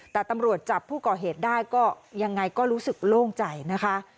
แต่ตำรวจจับผู้ก่อเหตุได้ก็ยังไงก็รู้สึกโล่งใจนะคะ